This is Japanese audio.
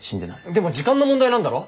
でも時間の問題なんだろ？